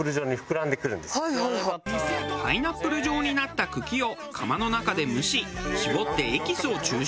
パイナップル状になった茎を釜の中で蒸し絞ってエキスを抽出。